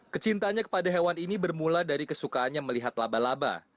kecintanya kepada hewan ini bermula dari kesukaannya melihat laba laba